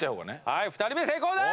はい２人目成功だ！